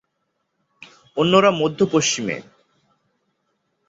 অন্যরা মধ্য-পশ্চিমে।